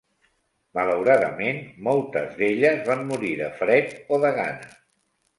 Malauradament, moltes d'elles van morir de fred o de gana.